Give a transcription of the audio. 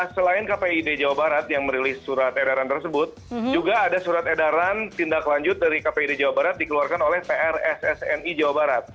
selain kpid jawa barat yang merilis surat edaran tersebut juga ada surat edaran tindak lanjut dari kpid jawa barat dikeluarkan oleh prssni jawa barat